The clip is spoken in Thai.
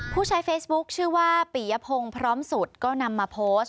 ผู้ใช้เฟซบุ๊คชื่อว่าปียพงศ์พร้อมสุดก็นำมาโพสต์